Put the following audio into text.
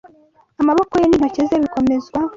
Amaboko ye n’intoki ze bikomezwa